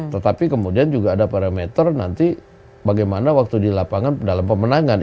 tetapi kemudian juga ada parameter nanti bagaimana waktu di lapangan dalam pemenangan